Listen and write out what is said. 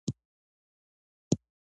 هر څوک خپله میوه خوري.